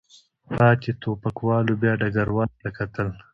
پاتې ټوپکوالو بیا ډګروال ته کتل.